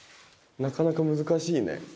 なかなか難しいね。